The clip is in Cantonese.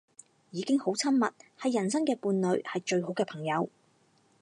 已經好親密，係人生嘅伴侶，係最好嘅朋友